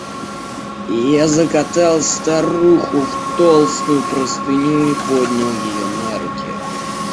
Я закатал старуху в толстую простыню и поднял ее на руки.